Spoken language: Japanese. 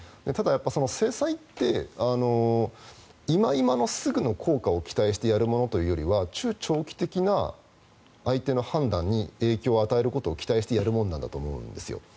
ただ、制裁って今今のすぐの効果を期待して、やるものというよりは中長期的な相手の判断に影響を与えることを期待してやるものなんだと思うんですよ。